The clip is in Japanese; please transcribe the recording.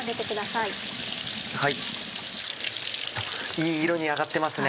いい色に揚がってますね。